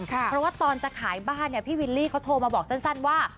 เพราะว่าตอนจะขายบ้านเนี่ยพี่วิลลี่เขาโทรมาบอกสั้นว่า